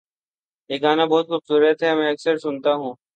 یہ گانا بہت خوبصورت ہے، میں اکثر سنتا ہوں